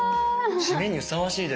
シメにふさわしいです。